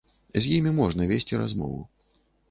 З імі можна весці размову.